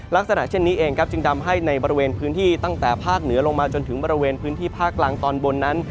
ลักษณะเช่นนี้เองครับจึงทำให้ในบริเวณพื้นที่ตั้งแต่ภาคเหนือลงมาจนถึงบริเวณพื้นที่ภาคกลางตอนบนนั้น